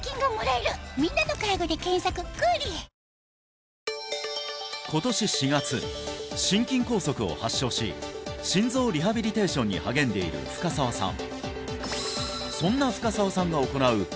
うわ今年４月心筋梗塞を発症し心臓リハビリテーションに励んでいる深澤さん